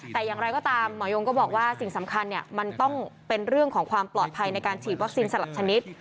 แต่อย่างไรก็ตามหมอยงก็บอกว่าสิ่งสำคัญมันต้องเป็นเรื่องของความปลอดภัยในการฉีดวัคซีนสลับชนิด